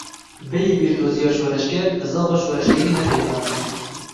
Bêyî bîrdoziya şoreşger, bizava şoreşgerî ne pêkan e.